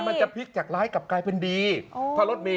มันจะพลิกแล้วกลายจะพลิกจากดี